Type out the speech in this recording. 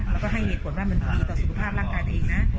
แล้วให้เห็นปวดบ้านยั่งสุขภาพธรรมกลางกายตนเองนะ